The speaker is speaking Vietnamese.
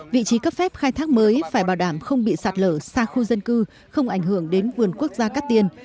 vị trí cấp phép khai thác mới phải bảo đảm không bị sạt lở xa khu dân cư không ảnh hưởng đến vườn quốc gia cát tiên